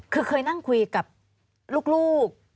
คือเคยนั่งคุยกับลูก